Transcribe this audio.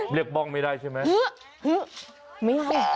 เรียกบ้องไม่ได้ใช่ไหม